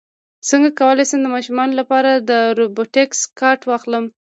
څنګه کولی شم د ماشومانو لپاره د روبوټکس کټ واخلم